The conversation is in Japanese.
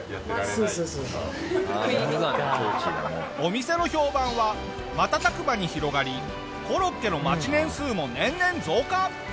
お店の評判は瞬く間に広がりコロッケの待ち年数も年々増加。